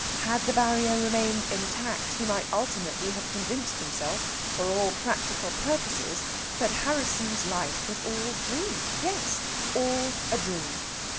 Had the barrier remained intact, he might ultimately have convinced himself, for all practical purposes, that Harrisson's life was all dream. Yes, all a dream!